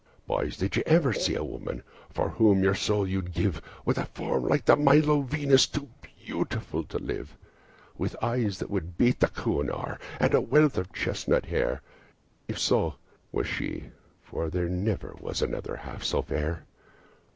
"Boys, did you ever see a girl for whom your soul you'd give, With a form like the Milo Venus, too beautiful to live; With eyes that would beat the Koh i noor, and a wealth of chestnut hair? If so, 'twas she, for there never was another half so fair.